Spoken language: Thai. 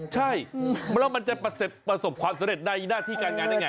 ใช่แล้วมันจะประสบความสำเร็จในหน้าที่การงานได้ไง